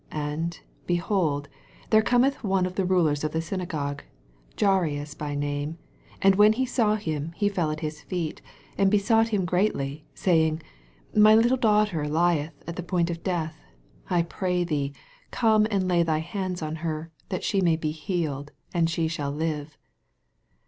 22 And, behold, there cometh one of the rulers of the synagogue, Jai rus by name ; and when he saw him, he fell at his feet, 23 And besought him greatly, say ing, My little daughter lieth at the point of death : I pray thee, come and lay thy hands on her, that she may be healed ; and she shall live.